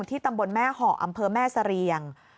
ที่ตำบลแม่เหาะอำเภอแม่สะเรียง